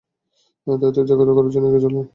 তাই তাকে জাগ্রত করার জন্যে এগিয়ে গেলেন।